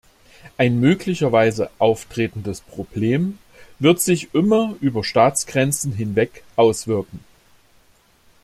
Ein möglicherweise auftretendes Problem wird sich immer über Staatsgrenzen hinweg auswirken.